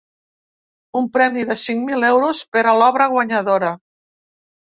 Un premi de cinc mil euros per a l’obra guanyadora.